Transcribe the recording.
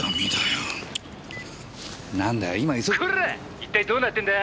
一体どうなってんだよ！」